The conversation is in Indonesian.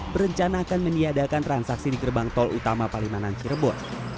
berencana akan meniadakan transaksi di gerbang tol utama palimanan cirebon